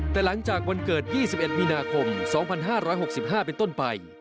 แต่หลังจากวันเกิด๒๑มีนาคม๒๕๖๕เป็นต้นไป